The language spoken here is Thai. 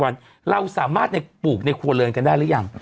๑๒๐วันเราสามารถปลูกในควโรยนกันได้หรือยัง